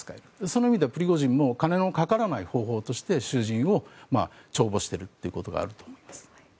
その意味ではプリゴジンもお金のかからない方法として囚人を徴募しているということがあると思います。